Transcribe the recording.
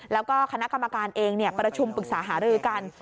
แล้วก็คณะกรรมการเองประชุมปรึกษาหารือกัน